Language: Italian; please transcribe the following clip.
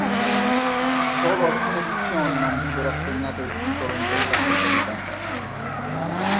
Solo alcune edizioni non videro assegnato il titolo in questa specialità.